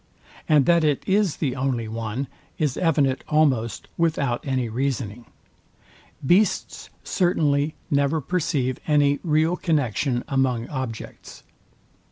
And that it is the only one, is evident almost without any reasoning. Beasts certainly never perceive any real connexion among objects.